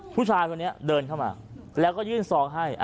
ผู้ชายคนนี้เดินเข้ามาแล้วก็ยื่นซองให้